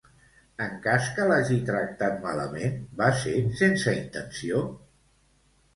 En cas que l'hagi tractat malament, va ser sense intenció?